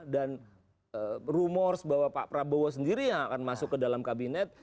dan rumor bahwa pak prabowo sendiri yang akan masuk ke dalam kabinet